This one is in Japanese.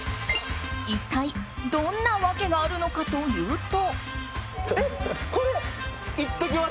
一体どんな訳があるのかというと。